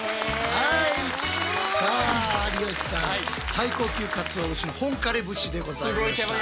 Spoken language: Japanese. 最高級かつお節の本枯節でございました。